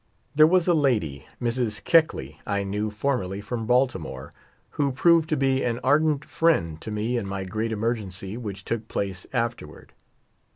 There was a lady, Mrs. Keckle}^ I knew, for merly from Baltimore, who proved to be an ardent friend to me in my great emergency which took place afterward.